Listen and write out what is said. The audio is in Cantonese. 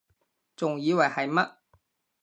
仲以為係乜????